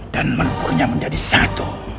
dan menukurnya menjadi satu